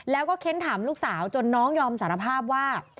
แล้วก็เค้นถามลูกสาวจนน้องยอมสารภาพว่า